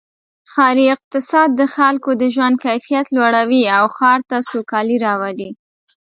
ښاري اقتصاد د خلکو د ژوند کیفیت لوړوي او ښار ته سوکالي راولي.